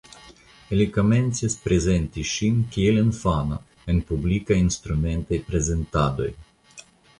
Li komencis prezenti ŝin kiel infano en publikaj instrumentaj prezentadoj.